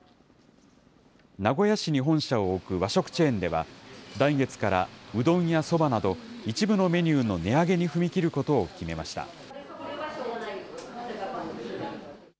名古屋市に本社を置く和食チェーンでは、来月から、うどんやそばなど、一部のメニューの値上げに踏み切ることを決めました。